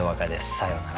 さようなら。